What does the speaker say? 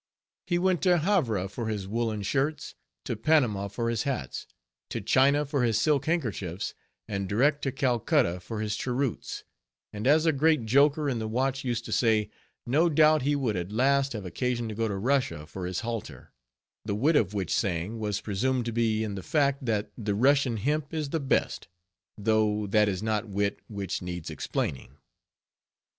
He went to Havre for his woolen shirts, to Panama for his hats, to China for his silk handkerchiefs, and direct to Calcutta for his cheroots; and as a great joker in the watch used to say, no doubt he would at last have occasion to go to Russia for his halter; the wit of which saying was presumed to be in the fact, that the Russian hemp is the best; though that is not wit which needs explaining.